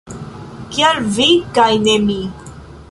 Kial vi kaj ne mi?